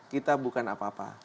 kita bukan apa apa